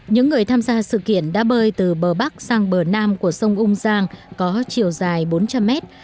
những người tham gia sự kiện đã bơi từ bờ bắc sang bờ nam của sông ung giang có chiều dài bốn trăm linh mét